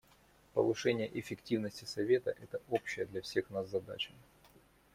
Повышение эффективности Совета — это общая для всех нас задача.